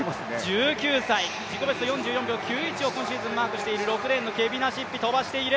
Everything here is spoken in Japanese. １９歳、自己ベスト４４秒９１をマークしている６レーンのケビナシッピ、飛ばしている。